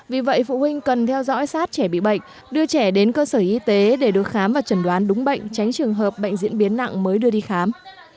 vì vậy phụ huynh cần theo dõi sát trẻ bị bệnh đưa trẻ đến cơ sở y tế để được khám và chẩn đoán đúng bệnh tránh trường hợp bệnh diễn biến nặng mới đưa đi khám